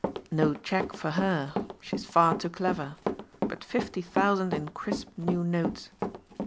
No check for her; she's far too clever, but fifty thousand in crisp new notes.